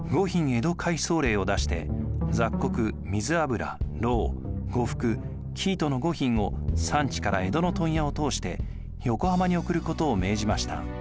江戸廻送令を出して雑穀水油蝋呉服生糸の５品を産地から江戸の問屋を通して横浜に送ることを命じました。